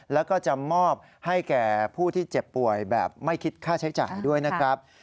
แล้วก็จะมอบให้แก่ผู้ที่เจ็บป่วยแบบไม่คิดค่าใช้จ่ายด้วยนะครับ